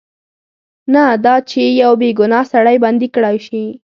نه دا چې یو بې ګناه سړی بندي کړای شي.